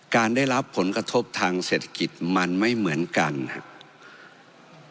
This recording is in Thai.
ได้รับผลกระทบทางเศรษฐกิจมันไม่เหมือนกันครับ